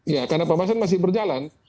ya karena pembahasan masih berjalan